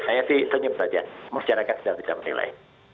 saya sih senyum saja masyarakat sudah bisa menilai